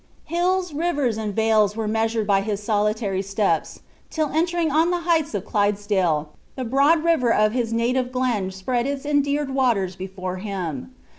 Hills, rivers, and vales were measured by his solitary steps, till entering on the heights of Clydesdale, the broad river of his native glen spread its endeared waters before him.